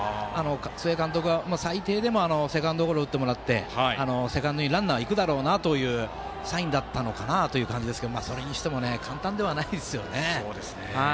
須江監督は最低でもセカンドゴロを打ってもらってセカンドにランナーが行くだろうというサインだったのかなという感じですがそれにしても簡単ではないですよ。